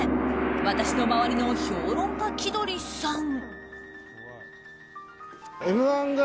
私の周りの評論家気取りさん。